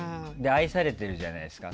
愛されているじゃないですか。